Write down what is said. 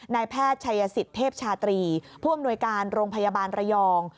นายแพทย์ชัยสิทธิเทพชาตรีผู้อำนวยการโรงพยาบาลระยอง